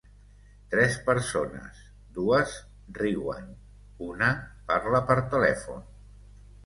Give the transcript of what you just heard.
Tres persones, dues riuen, una parla per telèfon.